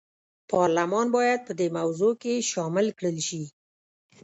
پارلمان باید په دې موضوع کې شامل کړل شي.